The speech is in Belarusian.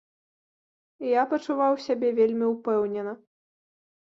Я пачуваў сябе вельмі ўпэўнена.